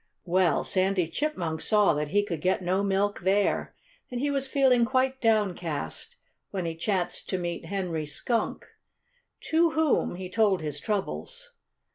Well, Sandy Chipmunk saw that he could get no milk there. And he was feeling quite downcast when he chanced to meet Henry Skunk, to whom he told his troubles.